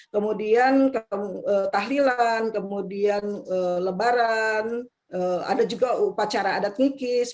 kemudian tahlilan kemudian lebaran ada juga upacara adat nikis